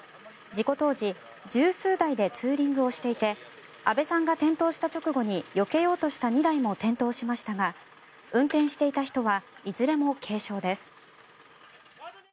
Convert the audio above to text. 事故当時１０数台でツーリングをしていて阿部さんが転倒した直後によけようとした２台も転倒しましたが運転していた人はいずれも軽傷です。